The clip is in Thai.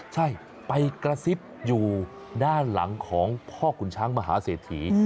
ใช่ไปกระซิบอยู่ด้านหลังของพ่อขุนช้างมหาเศรษฐี